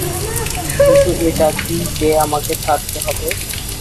কিন্তু এটা জানি যে আমাকে ছাড়তে হবে।